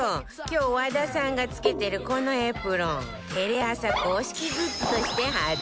今日和田さんが着けてるこのエプロンテレ朝公式グッズとして発売中よ